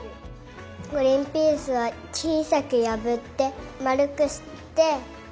グリンピースはちいさくやぶってまるくして。